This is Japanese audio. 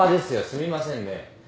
すみませんね。